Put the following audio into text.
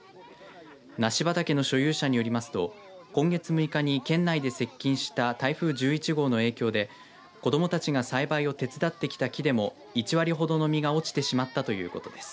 梨畑の所有者によりますと今月６日に県内に接近した台風１１号の影響で子どもたちが栽培を手伝ってきた木でも１割ほどの実が落ちてしまったということです。